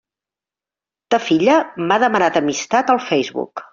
Ta filla m'ha demanat amistat al Facebook.